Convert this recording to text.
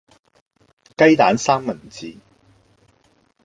雞蛋三文治